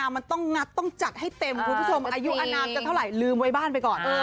เจ็บนิดนิดนะเจ็บนิดนิดนะเจ็บมันหมดกับนิดเดียว